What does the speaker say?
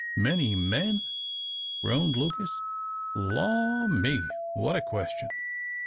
"Many men!" groaned Lucas. "Law me, what a question!